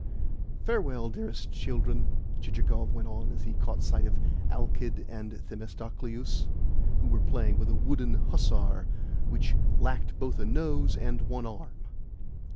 "Farewell, dearest children," Chichikov went on as he caught sight of Alkid and Themistocleus, who were playing with a wooden hussar which lacked both a nose and one arm.